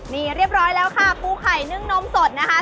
นี่เรียบร้อยแล้วค่ะปูไข่นึ่งนมสดนะคะ